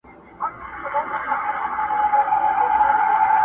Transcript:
نن یې په ساحل کي د توپان حماسه ولیکه!.